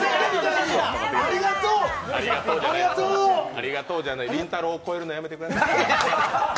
ありがとうじゃないりんたろーを超えるのやめてください。